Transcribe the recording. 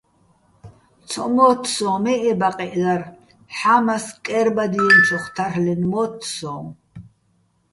ცო მოთთ სოჼ მე ე ბაყეჸ დარ, ჰ̦ამას კერბადიენჩოხ თარლ'ენო̆ მოთთ სოჼ.